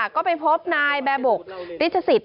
ก็ไปพบนายแบบบกฤษศิษฐ์